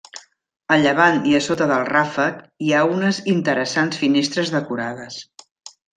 A llevant i a sota del ràfec hi ha unes interessants finestres decorades.